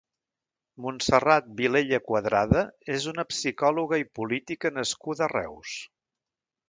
Montserrat Vilella Cuadrada és una psicòloga i política nascuda a Reus.